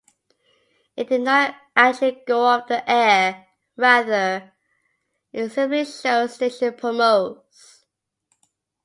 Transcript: It did not actually go off-the-air; rather, it simply showed station promos.